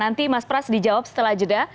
nanti mas pras dijawab setelah jeda